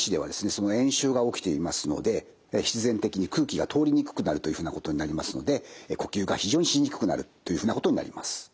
その炎症が起きていますので必然的に空気が通りにくくなるというふうなことになりますので呼吸が非常にしにくくなるというふうなことになります。